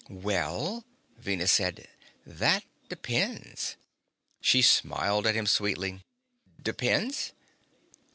"Well," Venus said, "that depends." She smiled at him sweetly. "Depends?"